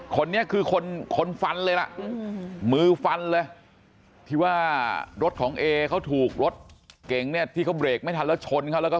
คนนี้คือคนคนฟันเลยล่ะมือฟันเลยที่ว่ารถของเอเขาถูกรถเก๋งเนี่ยที่เขาเบรกไม่ทันแล้วชนเขาแล้วก็